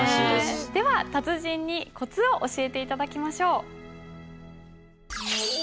では達人にコツを教えて頂きましょう。